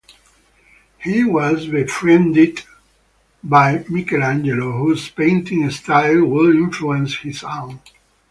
He was befriended by Michelangelo whose painting style would influence his own.